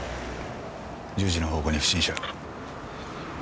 １０時の方向に不審者。